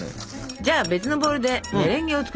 じゃあ別のボウルでメレンゲを作りましょう。